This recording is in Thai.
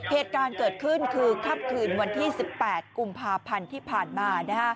เหตุการณ์เกิดขึ้นคือค่ำคืนวันที่๑๘กุมภาพันธ์ที่ผ่านมา